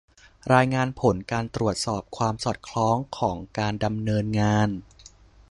รายงานผลการตรวจสอบความสอดคล้องของการดำเนินงาน